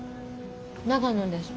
長野です。